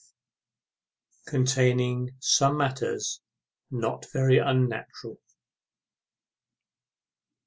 _Containing some matters not very unnatural.